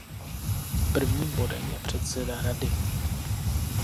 Prvním bodem je předseda Rady.